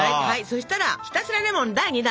そしたらひたすらレモン第２弾！